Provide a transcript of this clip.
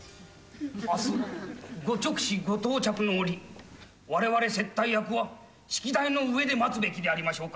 明日ご勅使ご到着の折われわれ接待役は式台の上で待つべきでありましょうか？